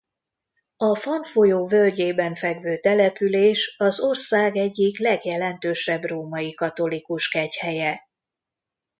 A Fan folyó völgyében fekvő település az ország egyik legjelentősebb római katolikus kegyhelye.